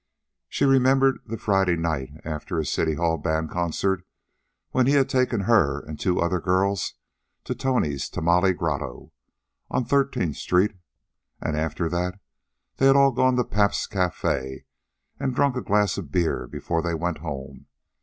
She remembered the Friday night, after a City Hall band concert, when he had taken her and two other girls to Tony's Tamale Grotto on Thirteenth street. And after that they had all gone to Pabst's Cafe and drunk a glass of beer before they went home.